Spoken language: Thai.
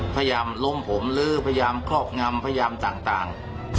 พยายามล้มผมหรือพยายามครอบงำพยายามต่าง